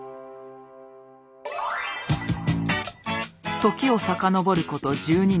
時を遡ること１２年。